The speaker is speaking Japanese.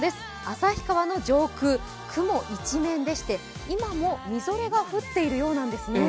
旭川の上空、雲一面でして、今もみぞれが降っているようなんですね。